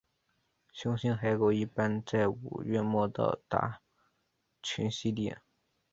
雄性海狗一般在五月末到达群栖地。